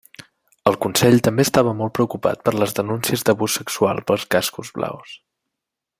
El Consell també estava molt preocupat per les denúncies d'abús sexual per cascos blaus.